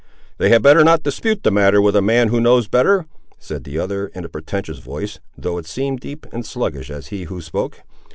"They had better not dispute that matter with a man who knows better," said the other in a portentous voice, though it seemed deep and sluggish as he who spoke.